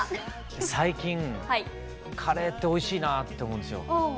最近カレーっておいしいなって思うんですよ。